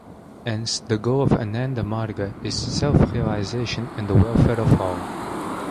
Hence, the goal of "Ananda Marga" is "self-realization and the welfare of all".